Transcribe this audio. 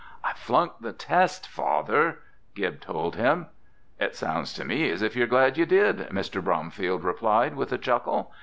"I flunked the test, Father," Gib told him. "It sounds to me as if you're glad you did," Mr. Bromfield replied, with a chuckle.